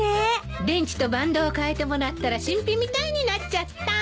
電池とバンドを替えてもらったら新品みたいになっちゃった。